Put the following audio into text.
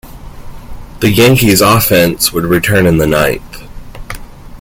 The Yankees offense would return in the ninth.